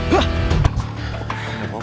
kau tak bisa menang